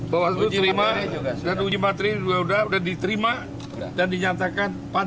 bawaslu terima dan uji materi juga sudah diterima dan dinyatakan